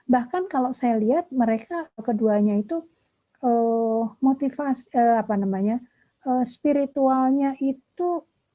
bahkan kalau saya lihat mereka keduanya itu motivasi spiritualnya itu